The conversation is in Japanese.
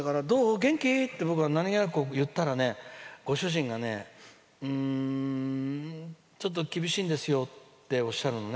元気って僕が何気なく言ったらご主人が、うーんちょっと厳しいんですよっておっしゃるのね。